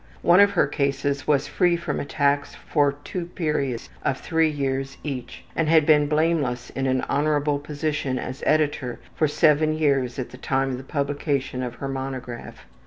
One of her cases was free from attacks for two periods of three years each, and had been blameless in an honorable position as editor for seven years at the time of the publication of her monograph.